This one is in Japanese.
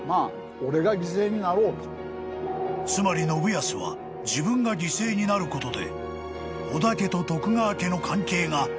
［つまり信康は自分が犠牲になることで］